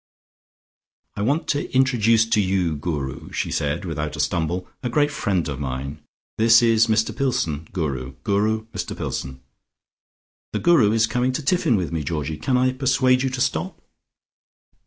"I want to introduce to you, Guru," she said without a stumble, "a great friend of mine. This is Mr Pillson, Guru; Guru, Mr Pillson. The Guru is coming to tiffin with me, Georgie. Cannot I persuade you to stop?"